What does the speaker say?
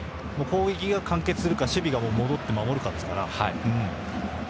攻撃が完結するか守備が戻って守るかですから。